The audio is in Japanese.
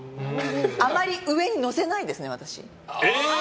あまり上に載せないですね、私。